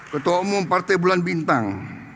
ketua umum partai bulan bintang